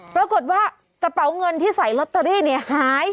ปรากฏว่ากระเป๋าเงินที่ใส่ลอตเตอรี่เนี่ยหาย